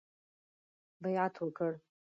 بیعت وکړ.